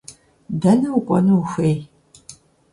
Дэнэ укӏуэну ухуей?